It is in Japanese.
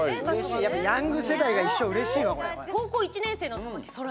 やっぱ、ヤング世代が一緒うれしいわ、これ。